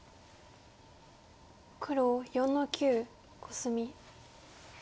黒４の九コスミ。